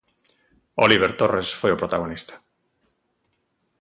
Óliver Torres foi o protagonista.